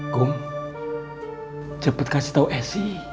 gump cepet kasih tau esy